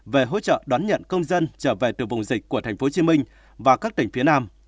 về hỗ trợ đón nhận công dân trở về từ vùng dịch của tp hcm và các tỉnh phía nam